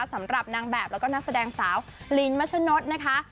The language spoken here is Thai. สำหรับนางแบบแล้วก็นักแสดงสาวลินมัชนดนะคะ